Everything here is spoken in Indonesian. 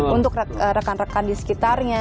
untuk rekan rekan di sekitarnya